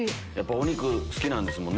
お肉好きなんですもんね